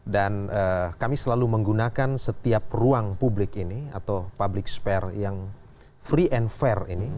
dan kami selalu menggunakan setiap ruang publik ini atau public spare yang free and fair ini